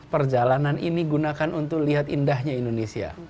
perjalanan ini gunakan untuk lihat indahnya indonesia